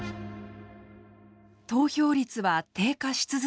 投票率は低下し続け